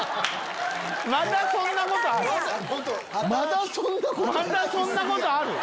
まだそんなことある？